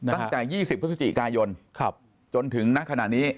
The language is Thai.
ตั้งแต่๒๐พฤศจิกายนจนถึงณขณะนี้